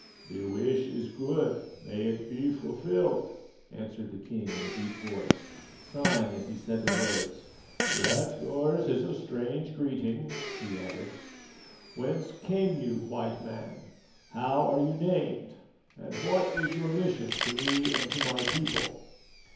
"The wish is good, may it be fulfilled," answered the king in a deep voice, sighing as he said the words. "Yet yours is a strange greeting," he added. "Whence came you, White Man, how are you named, and what is your mission to me and to my people?"